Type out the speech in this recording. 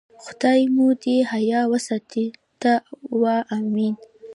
خدای مو دې حیا وساتي، ته وا آمین.